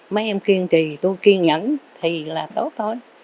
mấy em kiên trì tôi kiên nhẫn thì là tốt thôi